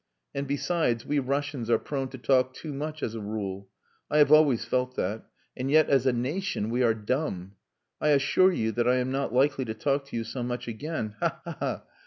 And besides, we Russians are prone to talk too much as a rule. I have always felt that. And yet, as a nation, we are dumb. I assure you that I am not likely to talk to you so much again ha! ha!